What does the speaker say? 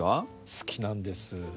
好きなんです。